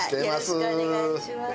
よろしくお願いします。